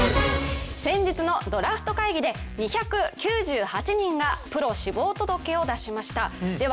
先日のドラフト会議で２９８人がプロ志望届を出しました。